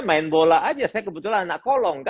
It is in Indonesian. main bola aja saya kebetulan anak kolong